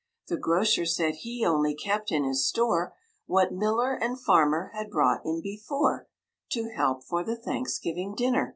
The grocer said he only kept in his store What miller and farmer had brought in before To help for the Thanksgiving Dinner.